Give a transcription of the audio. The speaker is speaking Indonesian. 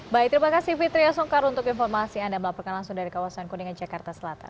baik terima kasih fitriah songkar untuk informasi anda melaporkan langsung dari kawasan kuningan jakarta selatan